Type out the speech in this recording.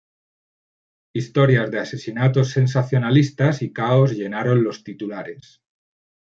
Historias de asesinatos sensacionalistas y caos llenaron los titulares.